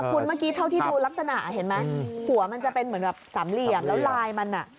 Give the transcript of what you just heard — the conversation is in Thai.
คุณเมื่อกี้เท่าที่ดูลักษณะเห็นไหมหัวมันจะเป็นเหมือนแบบสามเหลี่ยมแล้วลายมันอ่ะ